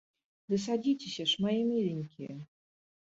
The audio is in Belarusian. Ды садзіцеся ж, мае міленькія!